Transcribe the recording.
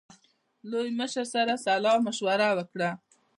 لوی مشر سره سلا مشوره وکړه.